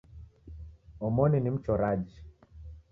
Omoni ni mchoraji